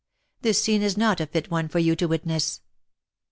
This scene is not a fit one for you to witness."